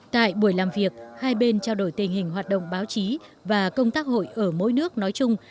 tại buổi làm việc hai bên trao đổi tình hình hoạt động báo chí và công tác hội ở mỗi nước nói chung